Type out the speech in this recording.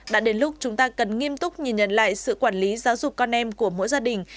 đã đến lúc chúng ta cần nghiêm túc nhìn nhận lại sự quản lý giáo dục con em của mỗi gia đình